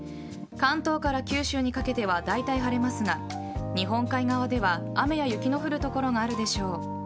関東から九州にかけてはだいたい晴れますが日本海側では雨や雪の降る所があるでしょう。